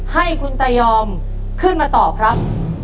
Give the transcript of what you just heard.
ให้คุณตายอมขึ้นมาตอบครับ